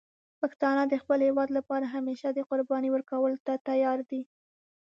پښتانه د خپل هېواد لپاره همیشه د قربانی ورکولو ته تیار دي.